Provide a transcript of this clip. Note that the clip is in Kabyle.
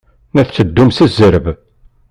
La tetteddum s zzerb.